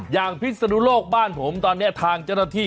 พิศนุโลกบ้านผมตอนนี้ทางเจ้าหน้าที่